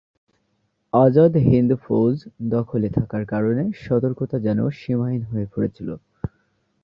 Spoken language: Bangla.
আজাদ হিন্দ ফৌজ দখলে থাকার কারণে সতর্কতা যেন সীমাহীন হয়ে পড়েছিল।